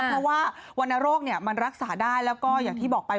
เพราะว่าวรรณโรคมันรักษาได้แล้วก็อย่างที่บอกไป